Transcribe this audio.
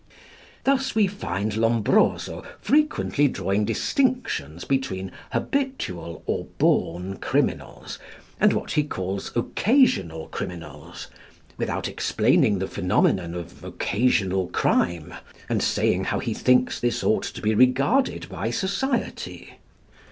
Thus we find Lombroso frequently drawing distinctions between "habitual" or "born" criminals and what he calls "occasional" criminals, without explaining the phenomenon of "occasional crime," and saying how he thinks this ought to be regarded by society.